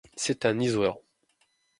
C'est un isolant.